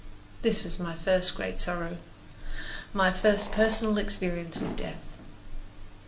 This was my first great sorrow my first personal experience with death.